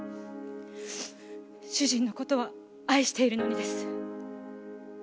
主人の事は愛しているのにです。